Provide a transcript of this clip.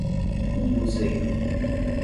Umbuzeiro